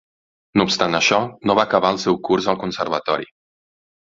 No obstant això, no va acabar el seu curs al Conservatori.